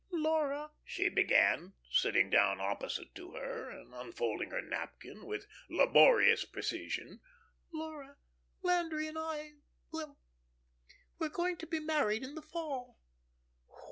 "Laura," she began, sitting down opposite to her, and unfolding her napkin, with laborious precision. "Laura Landry and I Well ... we're going to be married in the fall."